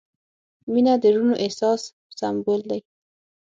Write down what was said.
• مینه د روڼ احساس سمبول دی.